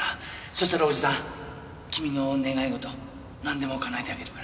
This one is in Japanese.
そうしたらおじさん君の願い事なんでもかなえてあげるから。